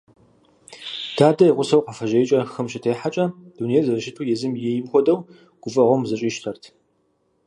Дадэ и гъусэу кхъуафэжьейкӀэ хым щытехьэкӀэ, дунейр зэрыщыту езым ейм хуэдэу, гуфӀэгъуэм зэщӀищтэрт.